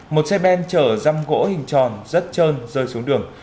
một xe ben chở răm gỗ hình tròn rất trơn rơi xuống đường